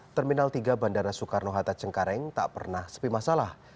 terminal tiga bandara soekarno hatta cengkareng tak pernah sepi masalah